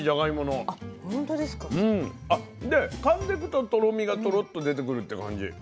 でかんでくととろみがトロッと出てくるって感じ。